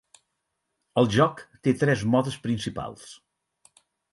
El joc té tres modes principals.